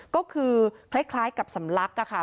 ก็คือคล้ายกับสำลักค่ะ